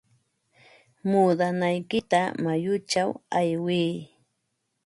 Muudanaykita mayuchaw aywiy.